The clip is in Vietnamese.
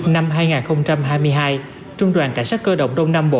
năm hai nghìn hai mươi hai trung đoàn cảnh sát cơ động đông nam bộ